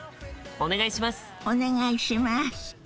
お願いします。